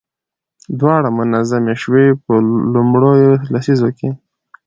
دواړه منظمې شوې. په لومړيو لسيزو کې